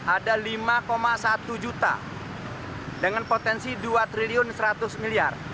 ada lima satu juta dengan potensi dua triliun seratus miliar